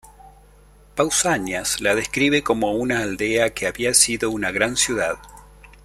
Pausanias la describe como una aldea que había sido una gran ciudad.